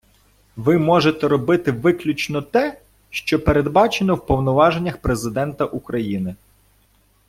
Ви можете робити виключно те, що передбачено в повноваженнях Президента України.